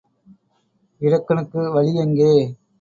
இடக்கனுக்கு வழி எங்கே?